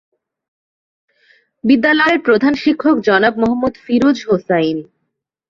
বিদ্যালয়ের প্রধান শিক্ষক জনাব মোহাম্মদ ফিরোজ হোসাইন।